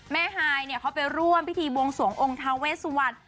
ม่าไหล่ก่อไปร่วมพิธีบวงสวงองค์ทาเวชวัน